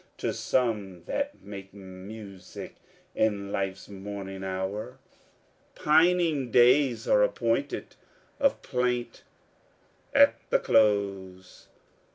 To some that make music in life's morning hour Pining days are appointed of plaint at the close.